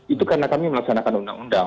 itu karena kami melaksanakan undang undang